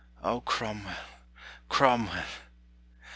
O Cromwell, Cromwell!